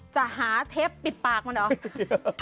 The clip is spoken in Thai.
จะหาเทปปิดปากมันเหรอ